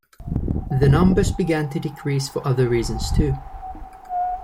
The numbers began to decrease for other reasons too.